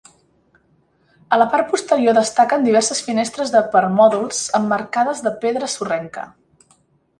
A la part posterior destaquen diverses finestres de permòdols emmarcades de pedra sorrenca.